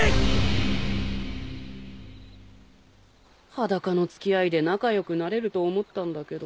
裸の付き合いで仲良くなれると思ったんだけど。